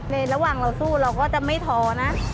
ในระหว่างเราสู้เราก็จะไม่ท้อนะ